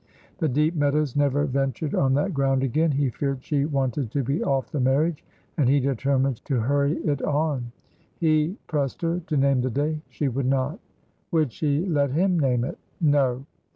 The deep Meadows never ventured on that ground again. He feared she wanted to be off the marriage, and he determined to hurry it on. He pressed her to name the day. She would not. "Would she let him name it?" "No."